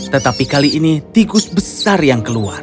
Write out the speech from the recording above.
tetapi kali ini tikus besar yang keluar